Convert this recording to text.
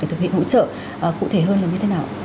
để thực hiện hỗ trợ cụ thể hơn là như thế nào